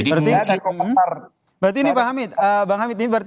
berarti ini pak hamid